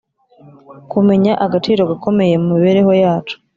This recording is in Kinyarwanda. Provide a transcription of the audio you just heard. kumenyaagaciro gakomeye mu mibereho yacu